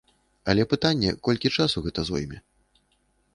Але пытанне, колькі часу гэта зойме.